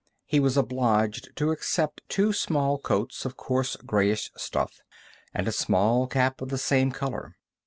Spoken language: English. He was obliged to accept two small coats of coarse grayish stuff, and a small cap of the same color.